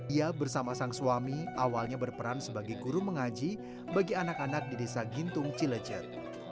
ia bersama sang suami awalnya berperan sebagai guru mengaji bagi anak anak di desa gintung cilecet